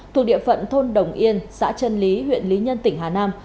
thuộc địa phận thôn đồng yên xã trân lý huyện lý nhân tỉnh hà nam